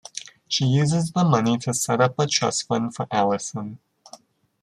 She uses the money to set up a trust fund for Allison.